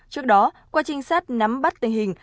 trước đó qua trinh sát nắm bắt tình hình